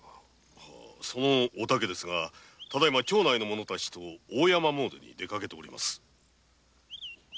その「お竹」ですが町内の者たちと「大山もうで」に出かけております。